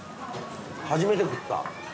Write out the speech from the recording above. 初めて食った。